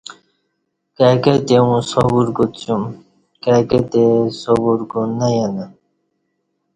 کائی کتی اوں صبر کوڅیوم کائی کتی صبر کو نہ یینہ